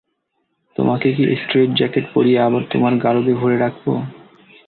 তোমাকে কি স্ট্রেইটজ্যাকেট পরিয়ে আবার তোমার গারদে ভরে রাখবো?